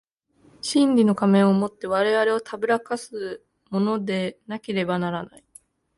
真理の仮面を以て我々を誑かすものでなければならない。